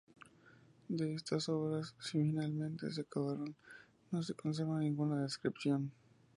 De estas obras, si finalmente se acabaron, no se conserva ninguna descripción.